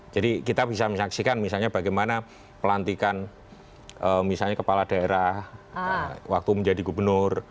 jadi kita bisa menyaksikan misalnya bagaimana pelantikan misalnya kepala daerah waktu menjadi gubernur